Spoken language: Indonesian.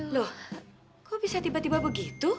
loh kok bisa tiba tiba begitu